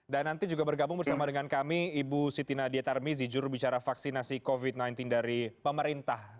nanti juga bergabung bersama dengan kami ibu siti nadia tarmizi jurubicara vaksinasi covid sembilan belas dari pemerintah